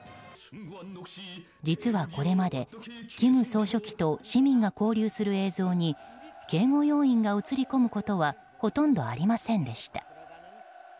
実はこれまで金総書記と市民が交流する映像に警護要員が映り込むことはほとんどありませんでした。